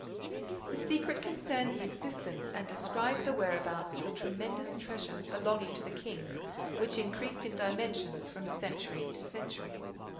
This secret concerned the existence and described the whereabouts of a tremendous treasure, belonging to the kings, which increased in dimensions from century to century.